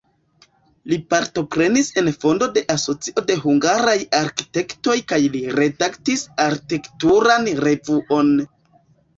Li partoprenis en fondo de asocio de hungaraj arkitektoj kaj li redaktis arkitekturan revuon.